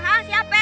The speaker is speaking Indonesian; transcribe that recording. hah si ape